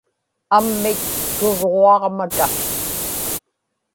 ammit turġuaġmata